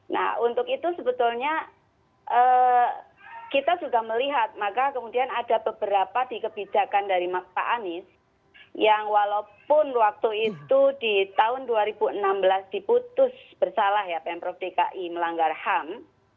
nah untuk itu sebetulnya kita sudah melihat maka kemudian ada beberapa di kebijakan dari pak anies yang walaupun waktu itu di tahun dua ribu enam belas diputus bersalah ya pemprov dki melanggar ham